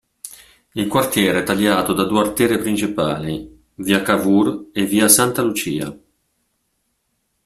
Il quartiere è tagliato da due arterie principali, via Cavour e via Santa Lucia.